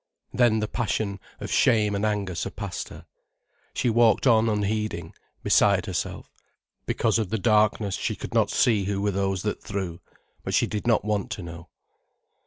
Then the passion of shame and anger surpassed her. She walked on unheeding, beside herself. Because of the darkness she could not see who were those that threw. But she did not want to know.